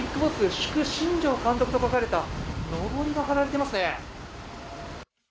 祝新庄監督と書かれたのぼりが掲げられていますね。